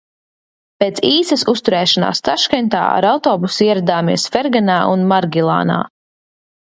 Pēc īsas uzturēšanās Taškentā ar autobusu ieradāmies Ferganā un Margilanā.